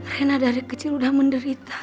rena dari kecil sudah menderita